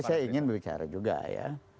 makanya saya ingin bicara juga ya